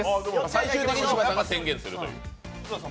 最終的に柴田さんが宣言するという。